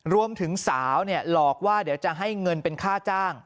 รวมถึงสาวหลอกว่าเดี๋ยวจะให้เงินเป็นค่าจ้าง